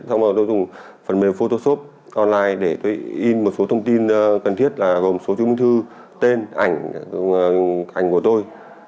xong rồi tôi dùng phần mềm photoshop online để tôi in một số thông tin cần thiết là gồm số chứng ung thư tên ảnh của tôi